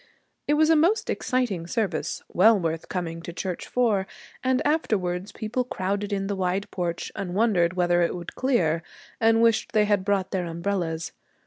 It was a most exciting service, well worth coming to church for, and afterwards people crowded in the wide porch and wondered whether it would clear, and wished they had brought their umbrellas.